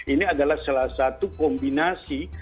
ini adalah salah satu kombinasi